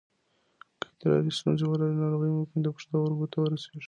که ادرار ستونزه ولري، ناروغي ممکن د پښتورګو ته ورسېږي.